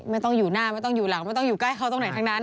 ไม่ต้องอยู่หน้าไม่ต้องอยู่หลังไม่ต้องอยู่ใกล้เขาตรงไหนทั้งนั้น